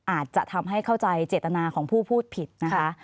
อาจจะทำให้เข้าใจเจตนาของผู้พูดผิดนะคะ